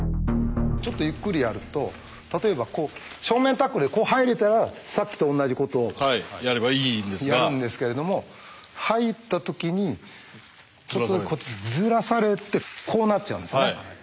ちょっとゆっくりやると例えば正面タックルでこう入れたらさっきと同じことをやるんですけれども入った時にずらされてこうなっちゃうんですね。